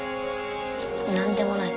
何でもない